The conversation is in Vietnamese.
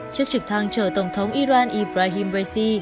chiếc trực thăng chở tổng thống iran ibrahim raisi